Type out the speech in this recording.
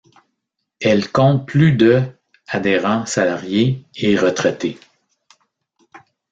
Elle compte plus de adhérents salariés et retraités.